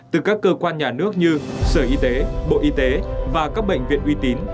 từ các cơ quan nhà nước như sở y tế bộ y tế và các bệnh viện uy tín